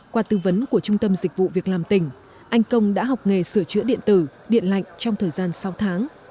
qua tư vấn của trung tâm dịch vụ việc làm tỉnh anh công đã học nghề sửa chữa điện tử điện lạnh trong thời gian sáu tháng